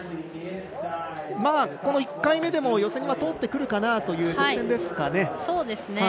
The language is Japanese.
この１回目でも予選は通ってくるかなという得点ですかね。